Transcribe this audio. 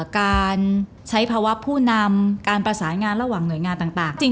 การใช้ภาวะผู้นำการประสานงานระหว่างหน่วยงานต่าง